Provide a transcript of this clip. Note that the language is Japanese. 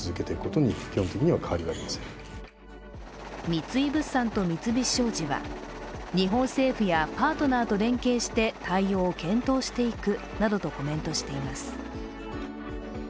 三井物産と三菱商事は日本政府やパートナーと連携して対応を検討していくなどとコメントしています